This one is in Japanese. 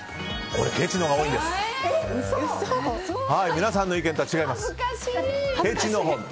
皆さんの意見とは違います。